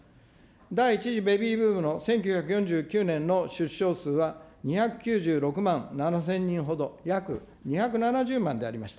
第１次ベビーブームの１９４９年の出生数は２９６万７０００人ほど、約２７０万でありました。